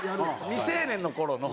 『未成年』の頃の。